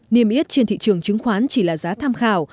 niêm ít trên thị trường chứng khoán chỉ là giá tham khảo